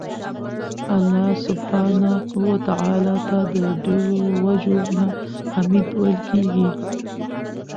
الله سبحانه وتعالی ته د ډيرو وَجُو نه حــمید ویل کیږي